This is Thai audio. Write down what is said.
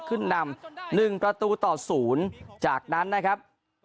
ขึ้นนำ๑ประตูต่อ๐จากนั้นนะครับ